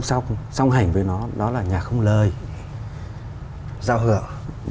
để là song song song hành với nó đó là nhạc không lời